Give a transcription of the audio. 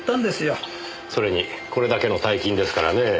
それにこれだけの大金ですからねえ